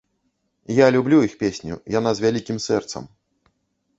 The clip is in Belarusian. Я люблю іх песню, яна з вялікім сэрцам.